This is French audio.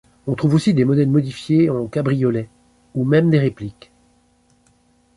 On trouve aussi des modèles modifiés en cabriolets, ou même des répliques.